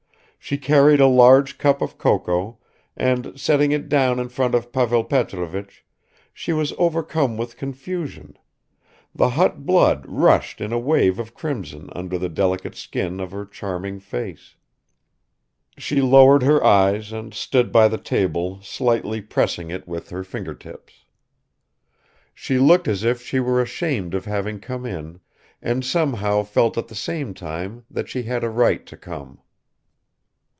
She carried a large cup of cocoa and setting it down in front of Pavel Petrovich, she was overcome with confusion; the hot blood rushed in a wave of crimson under the delicate skin of her charming face. She lowered her eyes and stood by the table slightly pressing it with her finger tips. She looked as if she were ashamed of having come in and somehow felt at the same time that she had a right to come.